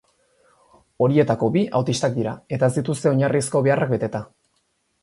Horietako bi autistak dira, eta ez dituzte oinarrizko beharrak beteta.